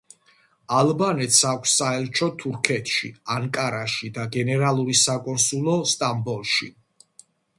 ალბანეთს აქვს საელჩო თურქეთში ანკარაში და გენერალური საკონსულო სტამბოლში.